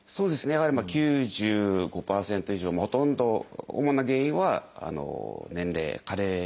やはり９５％以上ほとんど主な原因は年齢加齢ですね。